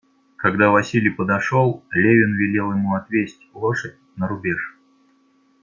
Когда Василий подошел, Левин велел ему отвесть лошадь на рубеж.